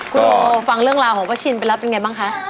คุณโอฟังเรื่องราวของป้าชินไปแล้วเป็นไงบ้างคะ